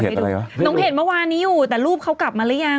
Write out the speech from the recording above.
หนูเห็นเมื่อวานนี้อยู่แต่รูปเขากลับมาหรือยัง